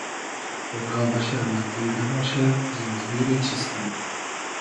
را بئشۂ مئنزیل نئباشۂ زیندئگی رۂ چیز کئنوم